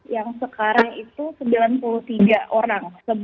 yang sekarang itu sembilan puluh tiga orang